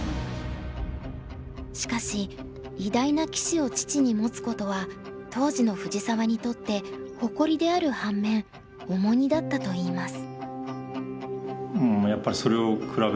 しかし偉大な棋士を父に持つことは当時の藤澤にとって誇りである反面重荷だったといいます。